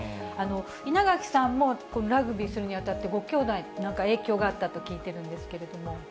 稲垣さんもラグビーするにあたって、ご兄弟、なんか影響があったと聞いてるんですけれども。